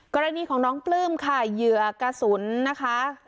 กรณีของน้องปลื้มค่ะเหยื่อกระสุนนะคะ